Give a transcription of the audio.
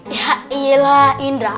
ya iyalah indra